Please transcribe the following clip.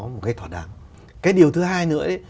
một cái thỏa đảng cái điều thứ hai nữa